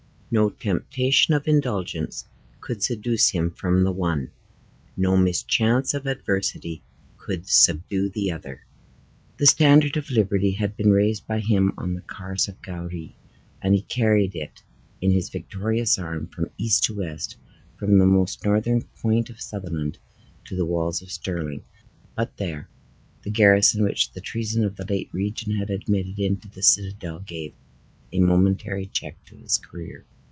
No temptation of indulgence could seduce him from the one, no mischance of adversity could subdue the other. The standard of liberty had been raised by him on the Carse of Gowrie, and he carried it in his victorious arm from east to west, from the most northern point of Sutherland to the walls of Stirling; but there, the garrison which the treason of the late regent had admitted into the citadel gave a momentary check to his career.